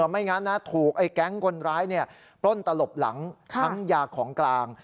ไม่งั้นนะถูกไอ้แก๊งคนร้ายปล้นตลบหลังทั้งยาของกลาง